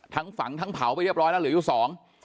ฝังทั้งเผาไปเรียบร้อยแล้วเหลืออยู่สอง